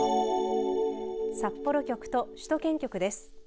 札幌局と首都圏局です。